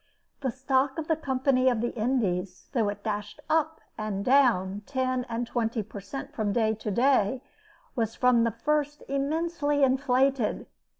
The stock of the Company of the Indies, though it dashed up and down ten and twenty per cent. from day to day, was from the first immensely inflated.